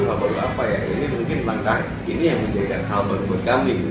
nggak perlu apa ya ini mungkin langkah ini yang menjadikan hal baru buat kami